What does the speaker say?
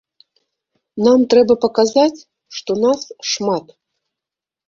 Нам трэба паказаць, што нас шмат.